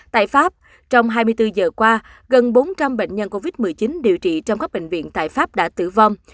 tại pháp trong hai mươi bốn giờ qua gần bốn trăm linh bệnh nhân covid một mươi chín điều trị trong các bệnh viện tại pháp đã tử vong